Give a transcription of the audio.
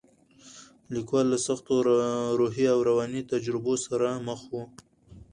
لیکوال له سختو روحي او رواني تجربو سره مخ و.